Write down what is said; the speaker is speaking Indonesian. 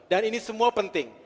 dan ini semua penting